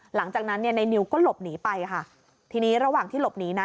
หลังจากนั้นเนี่ยในนิวก็หลบหนีไปค่ะทีนี้ระหว่างที่หลบหนีนะ